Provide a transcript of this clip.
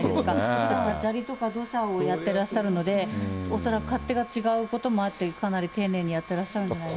ふだんは砂利とか土砂をやってらっしゃるので、恐らく勝手が違うこともあって、かなり丁寧にやってらっしゃるじゃないのかと。